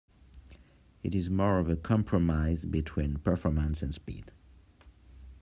It is more of a compromise between performance and speed.